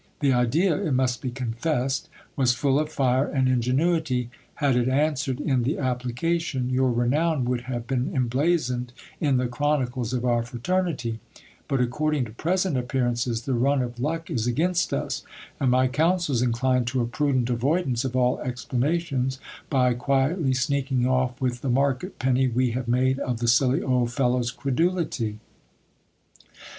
The idea, it must be confessed, was full of fire 176 GIL BLAS. and ingenuity ; had it answered in the application, your renown would have been emblazoned in the chronicles of our fraternity ; but according to present appearances, the run of luck is against us, and my counsels incline to a prudent avoidance of all explanations, by quietly sneaking off with the market penny we have made of the silly old fellow's credulity.